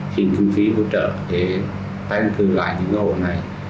xin kinh phí hỗ trợ để tái định cư lại những hộ này